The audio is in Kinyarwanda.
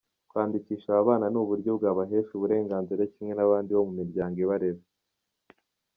Kwandikisha aba bana ni uburyo bwabahesha uburenganzira kimwe n’abandi bo mu miryango ibarera.